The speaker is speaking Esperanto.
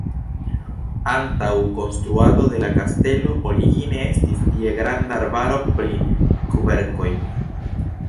Antaŭ konstruado de la kastelo origine estis tie granda arbaro pri kverkoj.